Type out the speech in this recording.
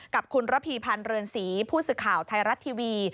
กับคุณระพีพันธ์เรือนศรีผู้สื่อข่าวไทยรัฐทีวี